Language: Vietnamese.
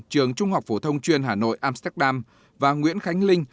trường trung học phổ thông chuyên hà nội amsterdam và nguyễn khánh linh